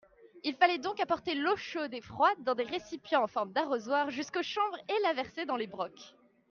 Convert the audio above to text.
Il fallait donc apporter l’eau chaude et froide dans des récipients en forme d’arrosoir jusqu’aux chambres et la verser dans les brocs.